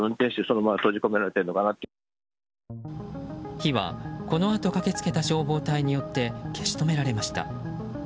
火はこのあと駆けつけた消防隊によって消し止められました。